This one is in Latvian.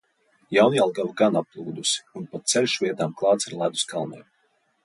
Jaunjelgava gan applūdusi, un pat ceļš vietām klāts ar ledus kalniem.